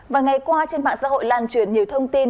và ngày qua trên mạng xã hội lan truyền nhiều thông tin